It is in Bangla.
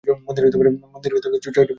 মন্দিরে ছয়টি ভূগর্ভস্থ স্তর রয়েছে।